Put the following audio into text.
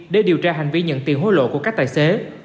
để điều tra hành vi nhận tiền hối lộ của các tài xế